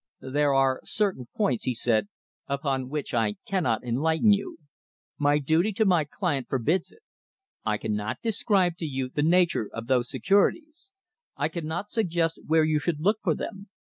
"There are certain points," he said, "upon which I cannot enlighten you. My duty to my client forbids it. I cannot describe to you the nature of those securities. I cannot suggest where you should look for them.